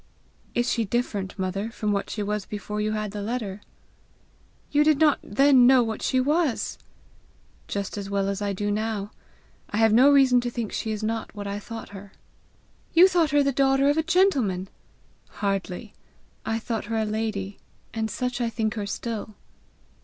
"Is she different, mother, from what she was before you had the letter?" "You did not then know what she was!" "Just as well as I do now. I have no reason to think she is not what I thought her." "You thought her the daughter of a gentleman!" "Hardly. I thought her a lady, and such I think her still."